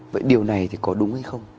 vậy điều này có đúng hay không